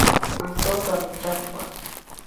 Mtoto amechapwa.